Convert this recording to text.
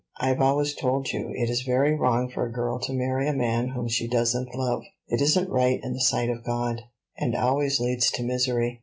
"I've always told you it is very wrong for a girl to marry a man whom she doesn't love; it isn't right in the sight of God, and always leads to misery.